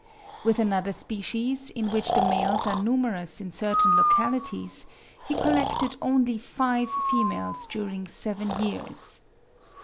With another species, in which the males are numerous in certain localities, he collected only five females during seven years.